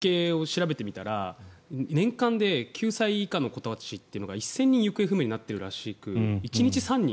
私、改めて統計を調べてみたら年間で９歳以下の子たちというのが１０００人行方不明になっているらしく１日３人。